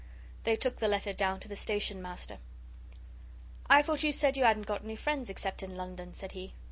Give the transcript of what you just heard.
They took the letter down to the Station Master. "I thought you said you hadn't got any friends except in London," said he.